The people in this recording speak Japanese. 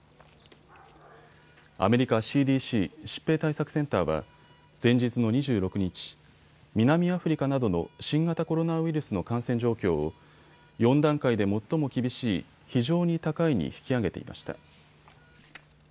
アメリカＣＤＣ・疾病対策センターは前日の２６日、南アフリカなどの新型コロナウイルスの感染状況を４段階で最も厳しい非常に高いに引き上げていました。